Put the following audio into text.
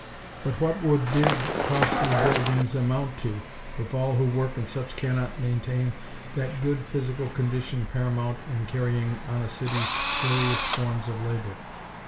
But what would big, costly buildings amount to, if all who work in such cannot maintain that good physical condition paramount in carrying on a city's various forms of labor?